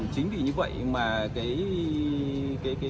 chính vì như vậy mà cái